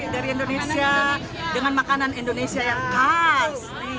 dari indonesia dengan makanan indonesia yang khas